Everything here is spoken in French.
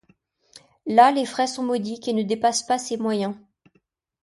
Là les frais sont modiques et ne dépassent pas ses moyens.